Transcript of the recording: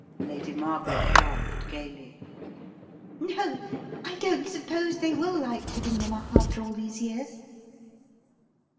Lady Margaret laughed gaily. "No, I don't suppose they will like giving them up after all these years."